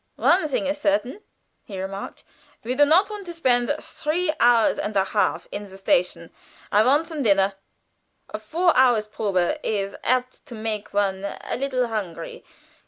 "One thing is certain," he remarked. "We do not want to spend three hours and a half in the station. I want some dinner. A four hours' probe is apt to make one a little hungry.